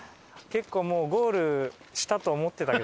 結構もうゴールしたと思ってたけどな。